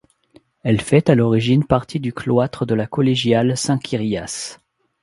Elle fait à l'origine partie du cloître de la collégiale Saint-Quiriace.